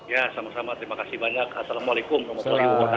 ya sama sama terima kasih banyak assalamualaikum warahmatullahi wabarakatuh